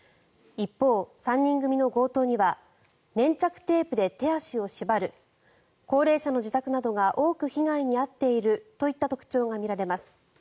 一方、３人組の強盗には粘着テープで手足を縛る高齢者の自宅などが多く被害に遭っているといった特徴が見られます。